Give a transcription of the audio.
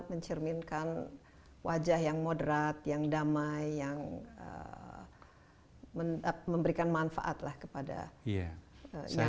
mencerminkan wajah yang moderat yang damai yang memberikan manfaat lah kepada masyarakat